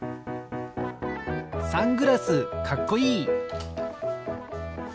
サングラスかっこいい！